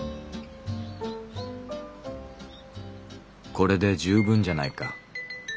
「これで十分じゃないか。